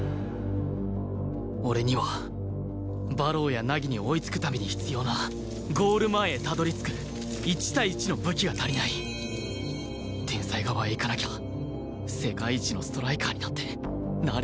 俺には馬狼や凪に追いつくために必要なゴール前へたどり着く１対１の武器が足りない天才側へ行かなきゃ世界一のストライカーになんてなれるわけない